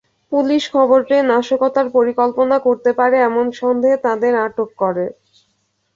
Police খবর পেয়ে নাশকতার পরিকল্পনা করতে পারে এমন সন্দেহে তাঁদের আটক করে।